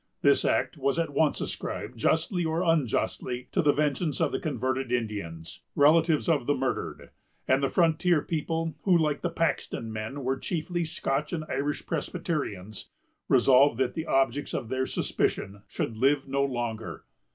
This act was at once ascribed, justly or unjustly, to the vengeance of the converted Indians, relatives of the murdered; and the frontier people, who, like the Paxton men, were chiefly Scotch and Irish Presbyterians, resolved that the objects of their suspicion should live no longer.